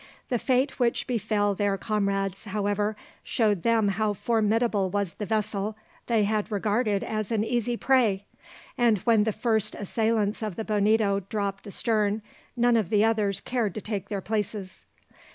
The fate which befell their comrades, however, showed them how formidable was the vessel they had regarded as an easy prey, and when the first assailants of the Bonito dropped astern, none of the others cared to take their places.